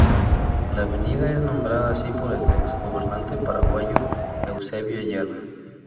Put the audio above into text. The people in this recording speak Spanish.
La avenida es nombrada así por el ex gobernante paraguayo Eusebio Ayala.